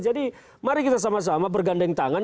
mari kita sama sama bergandeng tangan